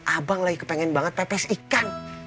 abang lagi kepengen banget pepes ikan